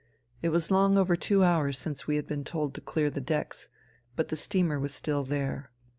It was long over two hours since we had been told to clear the decks, but the steamer was still there.